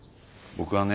僕はね